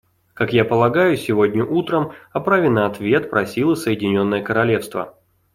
Как я полагаю, сегодня утром о праве на ответ просило Соединенное Королевство.